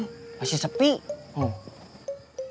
tadi kamu berbicara tentang bulan